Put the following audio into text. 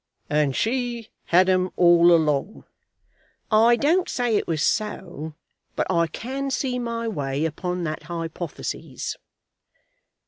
"And she had 'em all along?" "I don't say it was so, but I can see my way upon that hypothesis."